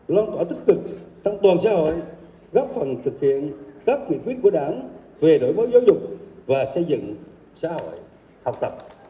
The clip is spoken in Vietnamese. loan tỏa tích cực tăng toàn xã hội góp phần thực hiện các quyền quyết của đảng về đổi bóng giáo dục và xây dựng xã hội học tập